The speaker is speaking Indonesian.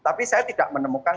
tapi saya tidak menemukan